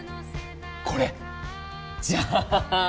これ、じゃん。